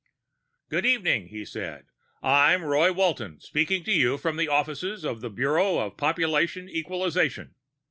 "Good evening," he said. "I'm Roy Walton, speaking to you from the offices of the Bureau of Population Equalization.